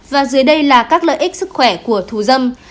và dưới đây là các lợi ích sức khỏe của thù dâm